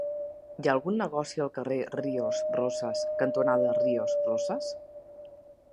Hi ha algun negoci al carrer Ríos Rosas cantonada Ríos Rosas?